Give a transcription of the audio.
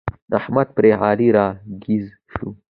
احمد پر علي را ږيز شو.